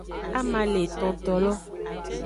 Ama le etontolo.